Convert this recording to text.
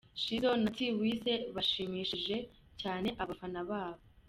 Shizzo na T Wise bashimishije cyane abafana babo.